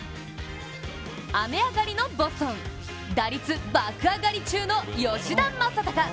雨上がりのボストン、打率爆上がり中の吉田正尚。